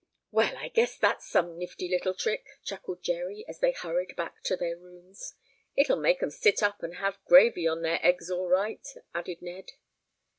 ] "Well, I guess that's some nifty little trick," chuckled Jerry, as they hurried back to their rooms. "It'll make 'em sit up and have gravy on their eggs all right," added Ned.